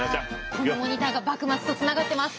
このモニターが幕末とつながってます！